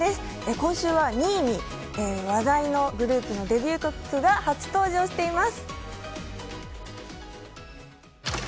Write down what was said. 今週は２位に話題のグループのデビュー曲が初登場しています。